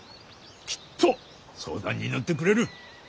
きっと相談に乗ってくれる。